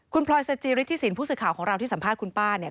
คุณพลอยสจิฤทธิสินผู้สื่อข่าวของเราที่สัมภาษณ์คุณป้าเนี่ย